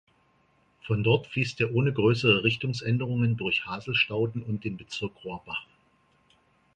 Von dort fließt er ohne größere Richtungsänderungen durch Haselstauden und den Bezirk Rohrbach.